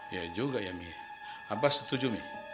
ya juga ya mi abah setuju mi